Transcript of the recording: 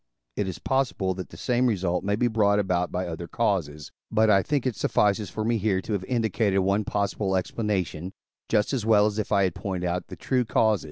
It is possible that the same result may be brought about by other causes; but I think it suffices for me here to have indicated one possible explanation, just as well as if I had pointed out the true cause.